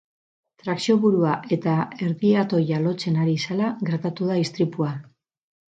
Trakzio-burua eta erdi-atoia lotzen ari zela gertatu da istripua.